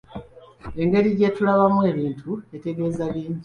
Engeri gye tulabamu ebintu etegeeza bingi.